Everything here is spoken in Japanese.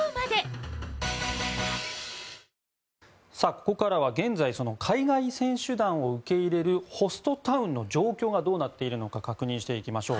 ここからは、現在海外選手団を受け入れるホストタウンの状況はどうなっているか確認していきましょう。